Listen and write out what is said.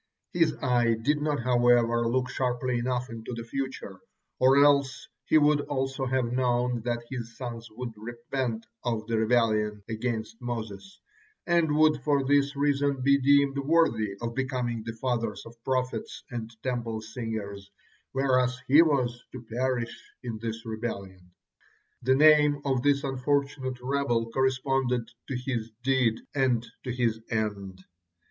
His eye did not, however, look sharply enough into the future, or else he would also have known that his sons would repent of the rebellion against Moses, and would for this reason be deemed worthy of becoming the fathers of prophets and Temple singers, whereas he was to perish in this rebellion. The names of this unfortunate rebel corresponded to his deed and to his end.